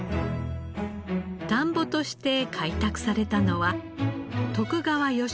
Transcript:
田んぼとして開拓されたのは徳川吉宗の時代。